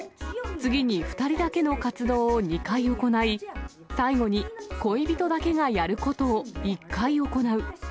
次に２人だけの活動を２回行い、最後に恋人だけがやることを１回行う。